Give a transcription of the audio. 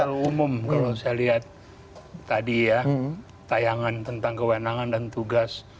secara umum kalau saya lihat tadi ya tayangan tentang kewenangan dan tugas